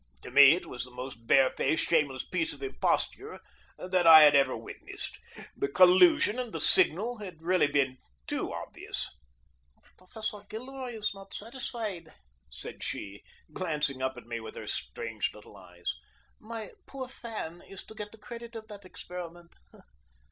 To me it was the most barefaced, shameless piece of imposture that I had ever witnessed. The collusion and the signal had really been too obvious. "Professor Gilroy is not satisfied," said she, glancing up at me with her strange little eyes. "My poor fan is to get the credit of that experiment.